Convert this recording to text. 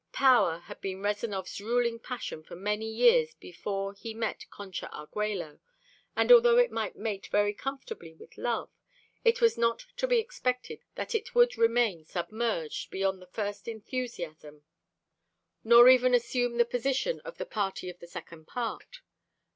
Power had been Rezanov's ruling passion for many years before he met Concha Arguello, and, although it might mate very comfortably with love, it was not to be expected that it would remain submerged beyond the first enthusiasm, nor even assume the position of the "party of the second part."